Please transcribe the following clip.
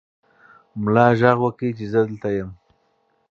ملا غږ وکړ چې زه دلته یم.